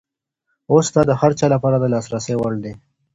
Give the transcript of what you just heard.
اوس دا د هر چا لپاره د لاسرسي وړ دی.